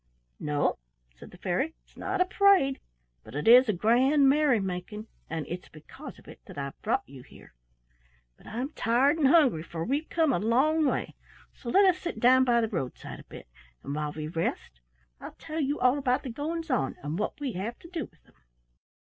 "No," said the fairy, "it's not a parade, but it is a grand merrymaking, and it's because of it that I've brought you here. But I'm tired and hungry, for we've come a long way, so let us sit down by the roadside a bit, and while we rest I'll tell you all about the goings on and what we have to do with them."